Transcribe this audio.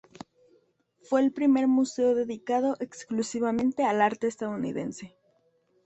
Fue el primer museo dedicado exclusivamente al arte estadounidense.